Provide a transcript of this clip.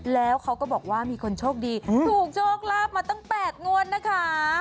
แล้วเขาก็บอกว่ามีคนโชคดีถูกโชคลาภมาตั้ง๘งวดนะคะ